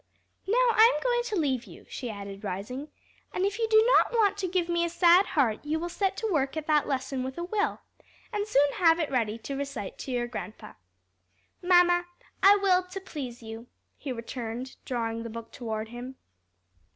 "Now I am going to leave you," she added, rising, "and if you do not want to give me a sad heart you will set to work at that lesson with a will, and soon have it ready to recite to your grandpa." "Mamma, I will, to please you," he returned, drawing the book toward him.